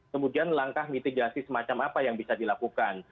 kemudian langkah mitigasi semacam apa yang bisa dilakukan